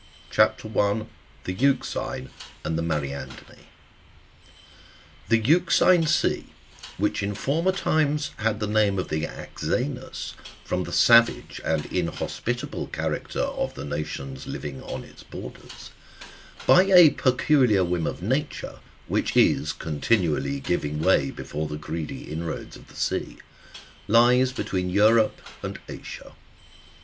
CHAP. 1. (1.) THE EUXINE AXD THE MAETA:ffDINI. The Euxine^ Sea, which in former times had the name of Axenus,^ from the savage and inhospitable character of the nations living on its borders, by a peculiar whim of nature, which is continually giving way before the greedy inroads of the sea, lies between Europe and Asia.